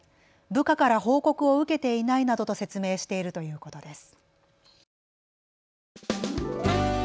部下から報告を受けていないなどと説明しているということです。